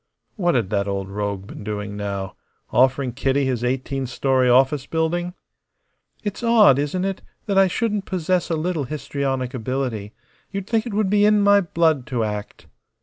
What had that old rogue been doing now offering Kitty his eighteen story office building? "It's odd, isn't it, that I shouldn't possess a little histrionic ability. You'd think it would be in my blood to act."